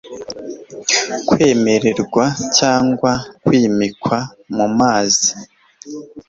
kwemererwa cyangwa kwimikwa mumazi